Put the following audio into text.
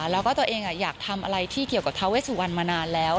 แล้วก็ตัวเองอยากทำอะไรที่เกี่ยวกับทาเวสุวรรณมานานแล้ว